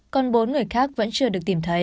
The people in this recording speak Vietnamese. còn bốn người khác vẫn chưa được tìm thấy